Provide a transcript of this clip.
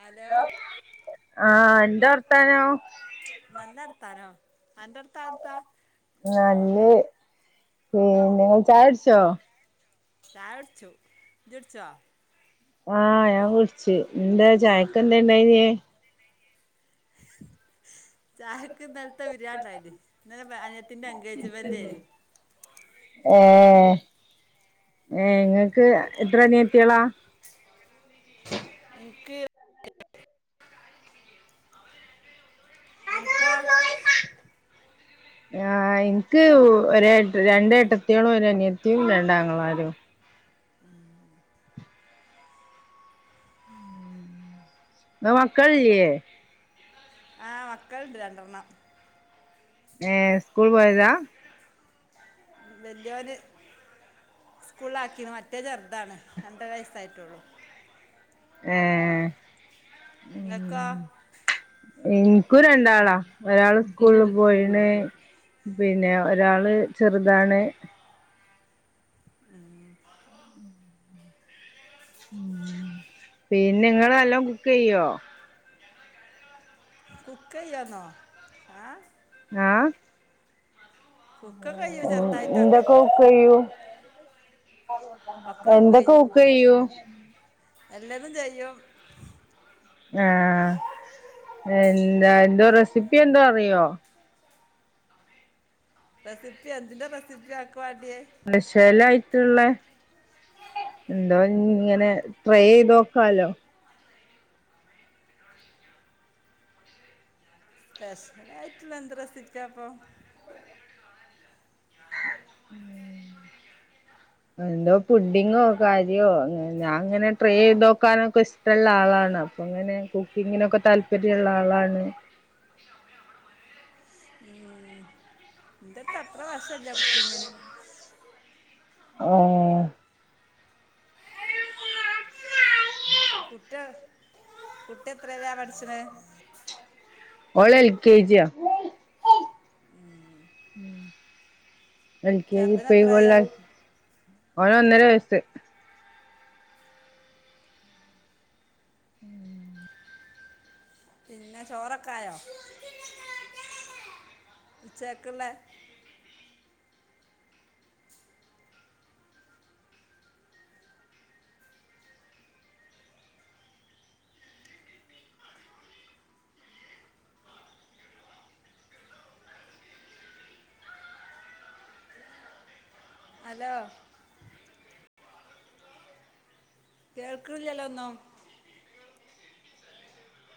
hello ആഹ് എന്താ വർത്താനം നല്ല വർത്താനം അന്റെ വാർത്തനെത്ത നല്ലത് പിന്നെ ചായ കുടിച്ചോ ചായ കുടിച്ചു ഇജ് കുടിച്ചോ ആഹ് ഞാൻ കുടിച്ച് ന്താ ചായക്ക് എന്താ ഇണ്ടായിനെ ചായക്ക് ഇന്നലത്തെ ബിരിയാണ്ടായിനി ഇന്നലെ അനിയത്തിന്റെ എൻഗേജ്മെന്റെനി ഏഹ് ഏഹ് ഇങ്ങക്ക് എത്ര അനിയത്തിയളാ ഇനിക്ക് അനക്കോ ആഹ് എനിക്ക് ഒര് രണ്ട് ഏട്ടത്തോളും ഒരനിയത്തിയും രണ്ടാങ്ങളാരും ങ്ങക്ക് മക്കളില്ലേ ആഹ് മക്കളുണ്ട് രണ്ടെണ്ണം ഏഹ് സ്കൂള് പോയതാ വെല്ലൊന് സ്കൂളാക്കിന് മറ്റേ ചെറുതാണ് രണ്ടര വയസ്സായിട്ടുള്ളൂ ഏഹ് ഇങ്ങക്കൊ നിക്കും രണ്ടാളാ ഒരാള് സ്കൂളില് പോയിന് പിന്നെ ഒരാള് ചെറുതാണ് പിന്നെ നിങ്ങെള് നല്ലോം കുക്ക് ചെയ്യോ കുക്കെയ്യോന്നോ ഏഹ് ആഹ് കുക്കൊക്കെ ചെയ്യും ചെറുതായിട്ടൊക്കെ എന്തൊക്കെ കുക്കെയും ഒക്കെ കുക്കെയ്യും എല്ലതും ചെയ്യും ആഹ് എന്താ എന്തോ റെസിപ്പി എന്തോ അറിയോ റെസിപ്പി എന്തിൻ്റെ റെസിപ്പിയാ അൻക്കു വാണ്ടിയേ സ്പെഷ്യലായിട്ട്ള്ളെ എന്തോ ഇങ്ങനെ ട്രൈ ചെയ്ത് നോക്കാലോ സ്പെഷ്യലായിട്ട്ള്ള എന്ത് റെസിപ്പിയാപ്പൊ [inaudible] എന്തോ ഫുഡിങ്ങോ കാര്യോ ഞാൻ അങ്ങനെ ട്രൈ ചെയ്ത് നോക്കാനൊക്കെ ഇഷ് ട്ടള്ള ആളാണ് അപ്പൊങ്ങനെ കുക്കിങ്ങിനൊക്കെ താല്പര്യള്ള ആളാണ് ൻക്ക് അത്ര വശല്ല കുക്കിങ്ങിന് ഓഹ് കുട്ടി കുട്ടി എത്രലാ പട്ച്ച്ണെ ഓള് എൽ കെ ജിയാ എൽ കെ ജി ചെറുതിന് പ്പ യി എത്രയായി കൊല്ലായി ഓന് ഒന്നര വയസ്സ് പിന്നെ ചോറൊക്കെ ആയോ ഉച്ചക്ക്ള്ളേ ഹലോ കേൾക്കണിലല്ലോ ഒന്നും